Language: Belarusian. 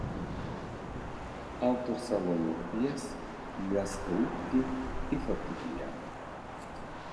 Аўтар салонных п'ес для скрыпкі і фартэпіяна.